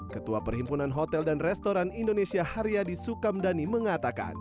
ketua perhimpunan hotel dan restoran indonesia haria di sukamdani mengatakan